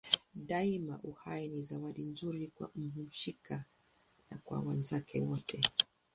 Daima uhai ni zawadi nzuri kwa mhusika na kwa wenzake wote.